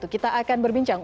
kita akan berbincang